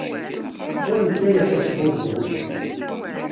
Ur nesɛi ara aṭas n wuguren.